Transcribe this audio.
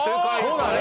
そうだね。